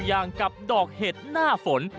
อย่างกับดอกเห็ดหน้าฝน